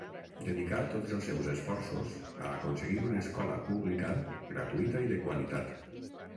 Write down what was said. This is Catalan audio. Dedicà tots els seus esforços a aconseguir una escola pública gratuïta i de qualitat.